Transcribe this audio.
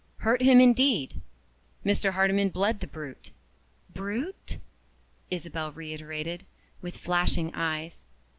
"Hurt him, indeed! Mr. Hardyman bled the brute " "Brute?" Isabel reiterated, with flashing eyes.